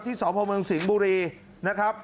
ที่สมศิงบุรีนะครับ